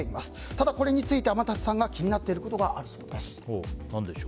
ただ、これについて天達さんが気になっていることがあるそうです。